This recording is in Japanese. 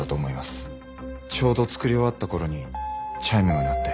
ちょうど作り終わった頃にチャイムが鳴って。